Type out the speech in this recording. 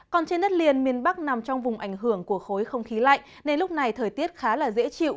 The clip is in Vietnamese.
còn trên đất liền miền bắc nằm trong vùng ảnh hưởng của khối không khí lạnh nên lúc này thời tiết khá là dễ chịu